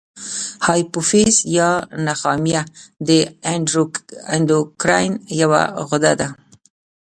هایپوفیز یا نخامیه د اندوکراین یوه غده ده.